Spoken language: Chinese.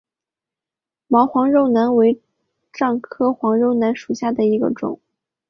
毛黄肉楠为樟科黄肉楠属下的一个种。